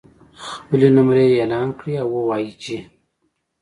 خپلې نمرې اعلان کړي او ووایي چې